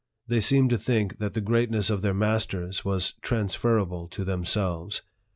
They seemed to think that the greatness of their masters was transferable to themselves.